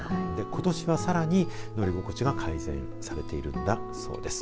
ことしは、さらに乗り心地が改善されているんだそうです。